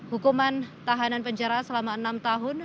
hukuman tahanan penjara selama enam tahun